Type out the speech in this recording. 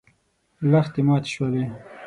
لښتې ماتې شولې.